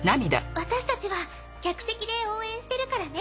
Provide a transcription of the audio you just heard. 私たちは客席で応援してるからね。